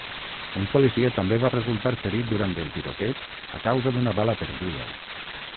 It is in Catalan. Un policia també va resultar ferit durant el tiroteig a causa d'una bala perduda.